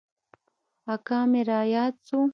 اکا مې راياد سو.